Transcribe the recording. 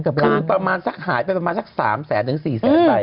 คือประมาณสักหายไปประมาณสัก๓แสนถึง๔แสนใบ